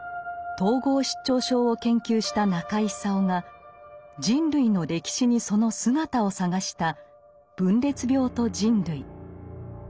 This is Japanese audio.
統合失調症を研究した中井久夫が人類の歴史にその姿を探した「分裂病と人類」。